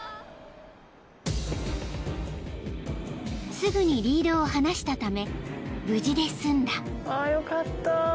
［すぐにリードを離したため無事で済んだ］